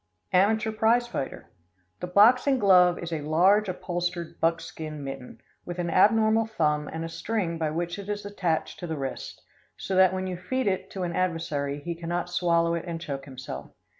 Amateur Prize Fighter. The boxing glove is a large upholstered buckskin mitten, with an abnormal thumb and a string by which it is attached to the wrist, so that when you feed it to an adversary he cannot swallow it and choke himself.